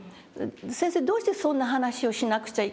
「先生どうしてそんな話をしなくちゃいけないんですか？